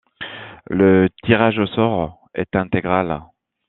Le tirage au sort est intégral.